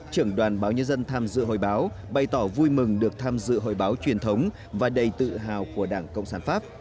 trưởng đoàn báo nhân dân tham dự hội báo bày tỏ vui mừng được tham dự hội báo truyền thống và đầy tự hào của đảng cộng sản pháp